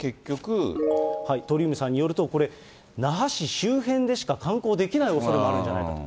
鳥海さんによると、これ、那覇市周辺でしか観光できないおそれもあるんじゃないかと。